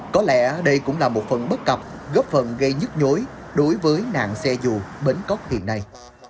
có lẽ đây cũng là một phần bất cập góp phần gây nhức nhối đối với nạn xe dù bến cóc hiện nay